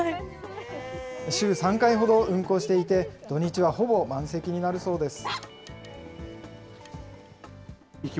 週３回ほど運行していて、土日はほぼ満席になるそうです。